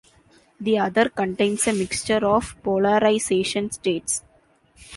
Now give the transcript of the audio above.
The other contains a mixture of polarization states.